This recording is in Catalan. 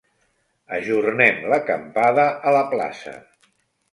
Ajornem l'acampada a la plaça.